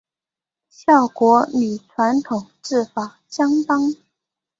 效果与传统制法相当。